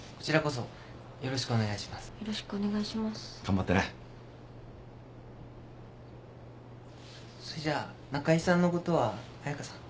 そいじゃあ仲依さんのことは彩佳さん。